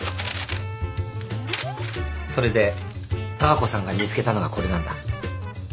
それでダー子さんが見つけたのがこれなんだ。